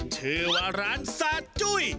ชื่อว่าร้านซาจุ้ย